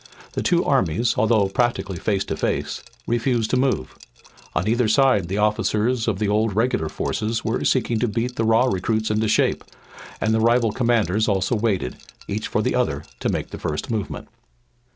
The two armies, although practically face to face, refused to move. On either side the officers of the old regular force were seeking to beat the raw recruits into shape, and the rival commanders also waited, each for the other to make the first movement.